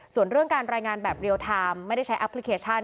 ส่วนเรื่องการรายงานแบบเรียลไทม์ไม่ได้ใช้แอปพลิเคชัน